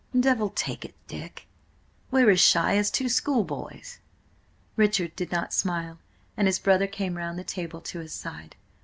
"Devil take it, Dick, we're as shy as two schoolboys!" Richard did not smile, and his brother came round the table to his side.